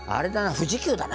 富士急だな。